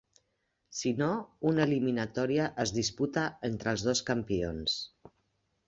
Si no, una eliminatòria es disputa entre els dos campions.